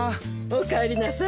おかえりなさい。